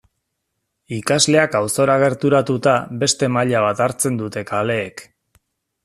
Ikasleak auzora gerturatuta beste maila bat hartzen dute kaleek.